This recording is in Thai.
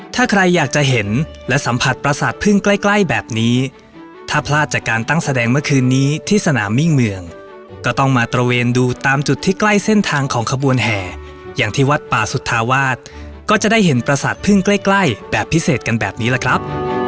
ถ้าใครอยากจะเห็นและสัมผัสประสาทพึ่งใกล้ใกล้แบบนี้ถ้าพลาดจากการตั้งแสดงเมื่อคืนนี้ที่สนามมิ่งเมืองก็ต้องมาตระเวนดูตามจุดที่ใกล้เส้นทางของขบวนแห่อย่างที่วัดป่าสุธาวาสก็จะได้เห็นประสาทพึ่งใกล้ใกล้แบบพิเศษกันแบบนี้แหละครับ